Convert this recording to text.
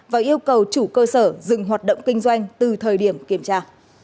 và yêu cầu chủ cơ sở dừng hoạt động kinh doanh từ thời điểm kiểm tra